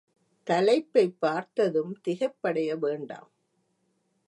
தலைப்பைப் பார்த்ததும் திகைப்படைய வேண்டாம்.